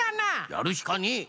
やるしかねえ！